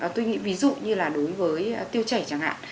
tôi nghĩ ví dụ như là đối với tiêu chảy chẳng hạn